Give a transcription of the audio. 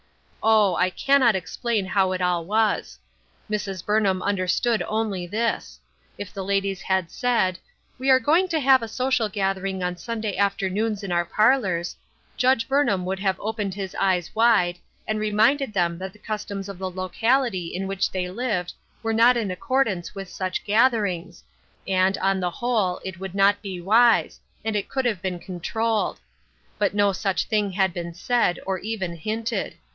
Oh ! I cannot explain how it all was. Mrs. Burnham understood only this : if the young ladies had j6 DRIFTING. said, "We are going to have a social gathering on Sunday afternoons in our parlors, " Judge Burnham would have opened his eyes wide, and reminded them that the customs of the locality in which they lived were not in accordance with such gatherings, and, on the whole, it would not be wise ; and it could have been controlled. But no such thing had been said, or even hinted.